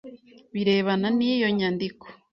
birebana n iyo nyandiko